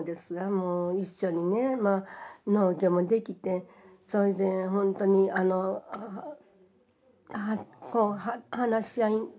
一緒にね農業もできてそれでほんとにあのこう話し合い。